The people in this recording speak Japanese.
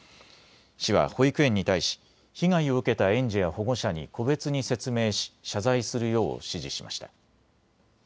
市は保育園に対し被害を受けた園児や保護者に個別に説明し謝罪するよう指示しました。